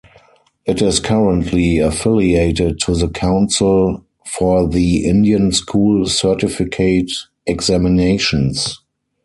It is currently affiliated to the Council for the Indian School Certificate Examinations.